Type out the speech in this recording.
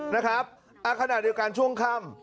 นะครับขณะเดียวกันช่วงค่ำ